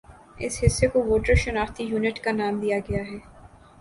اس حصہ کو ووٹر شناختی یونٹ کا نام دیا گیا ہے